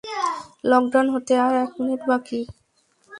Lockdown হতে আর এক মিনিট বাকি।